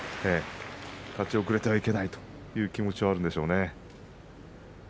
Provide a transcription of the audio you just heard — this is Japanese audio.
立ち遅れてはいけないという気持ちがあるんでしょうね。